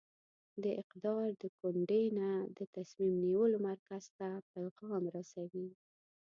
د اقدار د کونډې ته د تصمیم نیولو مرکز ته پیغام رسوي.